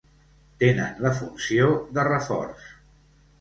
Tenen la funció de reforç.